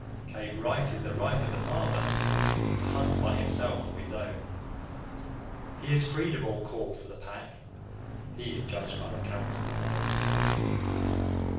Cave Right is the right of the Father to hunt by himself for his own. He is freed of all calls to the Pack; he is judged by the Council alone.